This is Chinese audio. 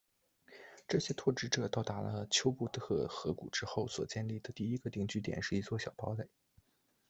这些拓殖者到达了丘布特河谷之后所建立的第一个定居点是一座小堡垒。